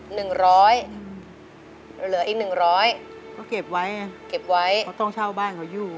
หนึ่งร้อยเหลืออีกหนึ่งร้อยก็เก็บไว้ต้องเช่าบ้านกับยู่